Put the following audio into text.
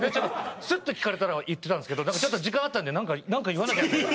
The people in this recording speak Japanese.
スッと聞かれたら言ってたんですけどでもちょっと時間あったんで何か言わなきゃみたいな。